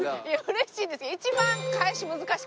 嬉しいですけど。